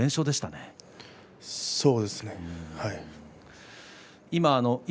そうですね、はい。